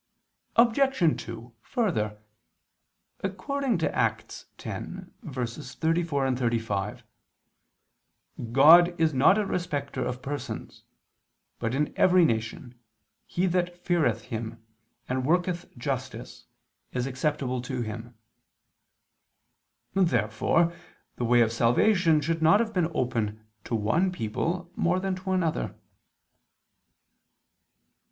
Obj. 2: Further, according to Acts 10:34, 35, "God is not a respecter of persons: but in every nation, he that feareth Him, and worketh justice, is acceptable to Him." Therefore the way of salvation should not have been opened to one people more than to another.